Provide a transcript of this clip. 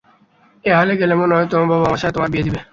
এই হালে গেলে, মনে হয় তোমার বাবা আমার সাথে তোমার বিয়ে দিবে।